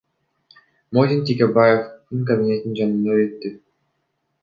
Модин Текебаевдин кабинетинин жанынан өттү.